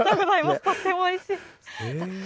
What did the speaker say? とってもおいしい。